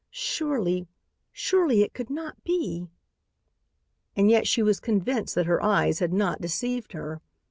Surely! Surely it could not be." And yet she was convinced that her eyes had not deceived her.